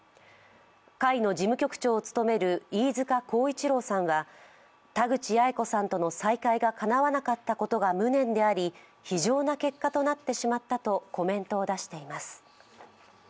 会の事務局長を務める飯塚耕一郎さんは田口八重子さんとの再会がかなわなかったことが無念であり非情な結果となってしまったとコメントを出しています。